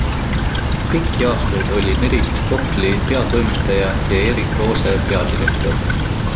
Pikki aastaid oli Merit Kopli peatoimetaja ja Erik Roose peadirektor.